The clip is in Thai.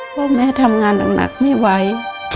พ่อแม่ทำงานหนักไม่ไหว